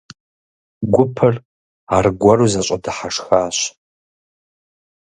Гупыр аргуэру зэщӀэдыхьэшхащ.